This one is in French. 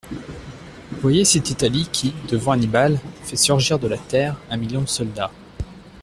Voyez cette Italie qui, devant Hannibal, fait surgir de la terre un million de soldats.